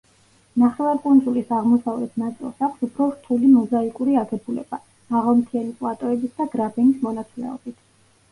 ნახევარკუნძულის აღმოსავლეთ ნაწილს აქვს უფრო რთული მოზაიკური აგებულება, მაღალმთიანი პლატოების და გრაბენის მონაცვლეობით.